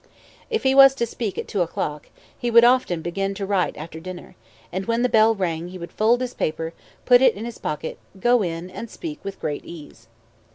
"If he was to speak at two o'clock, he would often begin to write after dinner; and when the bell rang he would fold his paper, put it in his pocket, go in, and speak with great ease.